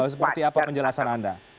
seperti apa penjelasan anda